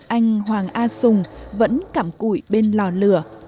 anh hoàng a sùng vẫn cẳm cụi bên lò lửa